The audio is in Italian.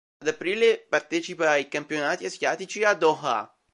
Ad aprile partecipa ai campionati asiatici a Doha.